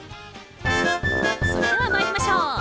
それでは参りましょう。